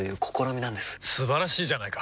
素晴らしいじゃないか！